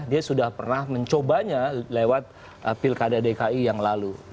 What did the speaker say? dia sudah pernah mencobanya lewat pilkada dki yang lalu